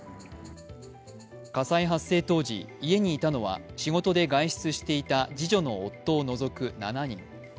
火災発生当時、家にいたのは仕事で外出していた次女の夫を除く７人。